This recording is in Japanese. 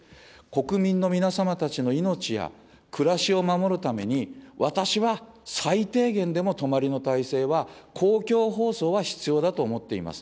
国民の皆様たちの命や暮らしを守るために、私は、最低限でも泊まりの体制は、公共放送は必要だと思っています。